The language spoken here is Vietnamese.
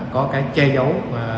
có cái che giấu